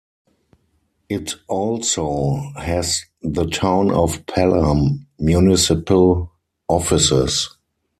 It also has the Town of Pelham Municipal offices.